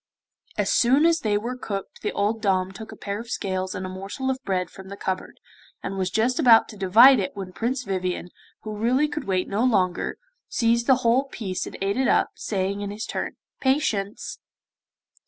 As soon as they were cooked the old dame took a pair of scales and a morsel of bread from the cupboard, and was just about to divide it when Prince Vivien, who really could wait no longer, seized the whole piece and ate it up, saying in his turn, 'Patience.